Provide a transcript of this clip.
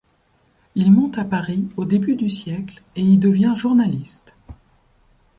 Il monte à Paris au début du siècle et y devient journaliste.